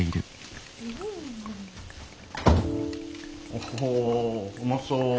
おうまそう。